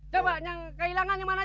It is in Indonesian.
jangan pergi sama aku